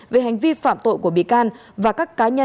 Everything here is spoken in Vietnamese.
về hành vi phạm tội của bị can